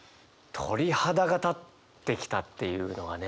「鳥肌が立ってきた」っていうのがね